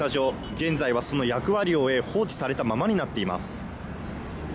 現在はその役割を終え、放置されたままになっています。